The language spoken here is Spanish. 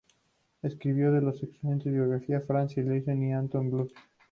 Escribió dos excelentes biografías: Franz Liszt y Anton Bruckner.